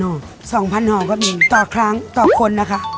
๒๐๐ห่อก็มีต่อครั้งต่อคนนะคะ